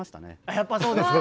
やっぱそうですか。